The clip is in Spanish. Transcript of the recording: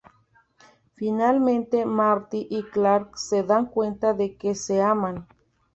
Finalmente Marty y Clark se dan cuenta de que se aman.